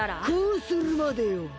こうするまでよ！